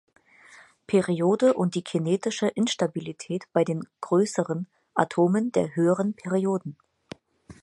Periode und die kinetische Instabilität bei den "größeren" Atomen der höheren Perioden.